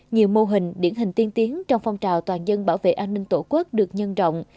nhiều mô hình điển hình tiên tiến trong phong trào toàn dân bảo vệ an ninh tổ quốc được nhân rộng